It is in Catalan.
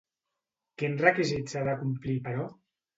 Quin requisit s'ha de complir, però?